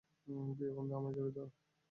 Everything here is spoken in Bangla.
প্রিয় বন্ধু আমায় জড়িয়ে ধর।